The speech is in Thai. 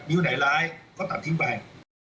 หนิวไหนร้ายเขาตัดทิ้งไป